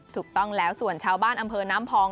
ถูกต้องแล้วส่วนชาวบ้านอำเภอน้ำพอง